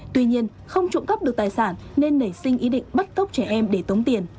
tuy nhiên không trộm cắp được tài sản nên nảy sinh ý định bắt cóc trẻ em để tống tiền